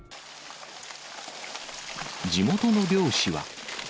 地元の漁師は。